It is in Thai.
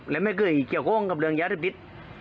และไม่เคยเกี่ยวข้องกับเหลืองยาเรียบทิศ